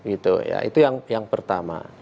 itu ya itu yang pertama